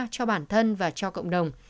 cho bản thân và cho cộng đồng